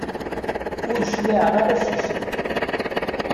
Ur cliɛeɣ ara seg-sent.